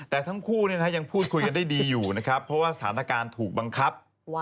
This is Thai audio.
แต่ทั้งคู่พูดคุยกันได้ดีอยู่เพราะสถานการณ์ถูกบังคับ